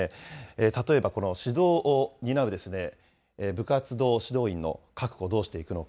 例えばこの指導を担う部活動指導員の確保、どうしていくのか。